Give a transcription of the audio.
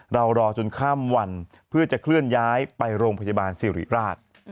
รอจนข้ามวันเพื่อจะเคลื่อนย้ายไปโรงพยาบาลสิริราช